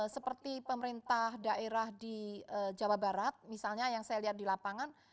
seperti pemerintah daerah di jawa barat misalnya yang saya lihat di lapangan